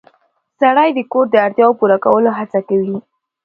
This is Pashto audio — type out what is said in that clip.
سړی د کور د اړتیاوو پوره کولو هڅه کوي